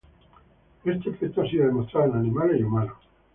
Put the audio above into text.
Este efecto ha sido demostrado en animales y humanos.